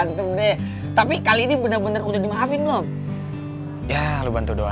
itu pasti brother doa aku selalu ada untukmu